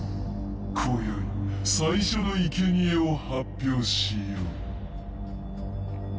こよい最初のいけにえを発表しよう。